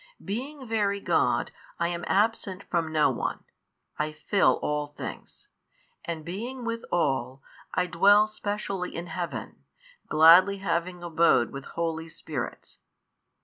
Being Very God, I am absent from no one, I fill all things, and being with all, I dwell specially in Heaven, gladly having abode with holy spirits.